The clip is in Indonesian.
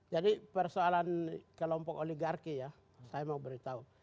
jadi persoalan kelompok oligarki ya saya mau beritahu